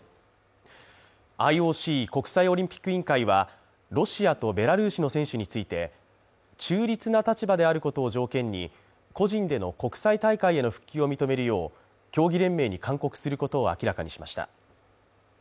ＩＯＣ＝国際オリンピック委員会は、ロシアとベラルーシの選手について中立な立場であることを条件に、個人での国際大会への復帰を認めるよう競技連盟に勧告することを明らかにしました。